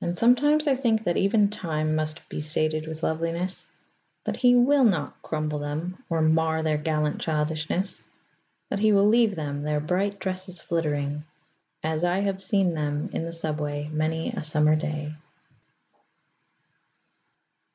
And sometimes I think that even Time must be sated with loveliness; that he will not crumble them or mar their gallant childishness; that he will leave them, their bright dresses fluttering, as I have seem them in the subway many a summer day.